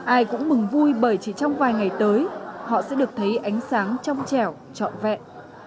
ai cũng mừng vui bởi chỉ trong vài ngày tới họ sẽ được thấy ánh sáng trong trẻo trọn vẹn